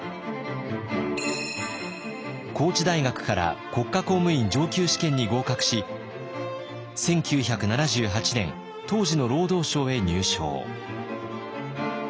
高知大学から国家公務員上級試験に合格し１９７８年当時の労働省へ入省。